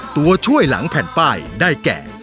ตัวช่วยหลังแผ่นป้ายได้แก่